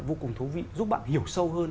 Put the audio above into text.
vô cùng thú vị giúp bạn hiểu sâu hơn